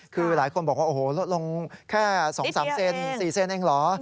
คือหลายคนบอกว่าโอ้โหลดลงแค่๒๓เซนติเมตรสี่เซนติเมตรเองเหรอ